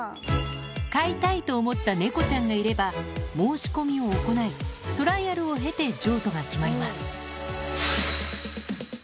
飼いたいと思った猫ちゃんがいれば申し込みを行いトライアルを経て譲渡が決まります